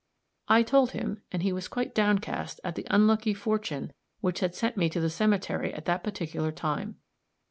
I told him, and he was quite downcast at the unlucky fortune which had sent me to the cemetery at that particular time.